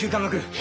え！？